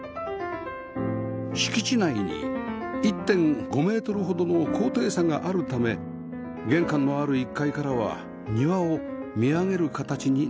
敷地内に １．５ メートルほどの高低差があるため玄関のある１階からは庭を見上げる形になります